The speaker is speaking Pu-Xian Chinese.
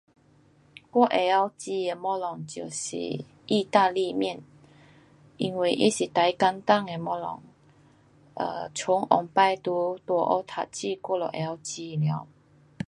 我会晓煮的东西就是意大利面。因为它是最简单的东西。um 从一起在大学读书我就会晓煮了。